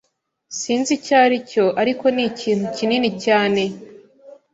Sinzi icyo aricyo, ariko nikintu kinini cyane.